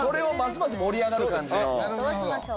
そうしましょう。